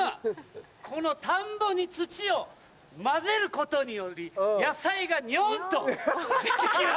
この田んぼに土を混ぜることにより野菜がニョンとできます。